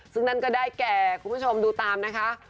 ซึ่งนั่นก็ได้แก่คุณผู้ชมดูตามนะคะ